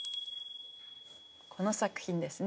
この作品ですね